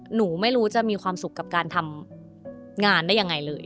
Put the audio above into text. หนูไม่รู้จะมีความสุขกับการทำงานได้ยังไงเลย